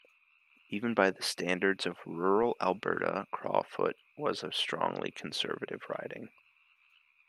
Even by the standards of rural Alberta, Crowfoot was a strongly conservative riding.